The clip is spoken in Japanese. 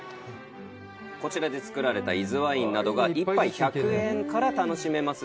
こちらで造られた伊豆ワインなどが１杯１００円から楽しめます。